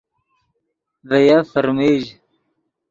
ڤے یف فرمژ